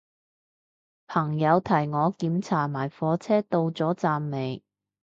朋友提我檢查埋火車到咗站未